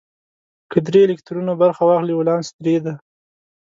که درې الکترونه برخه واخلي ولانس درې دی.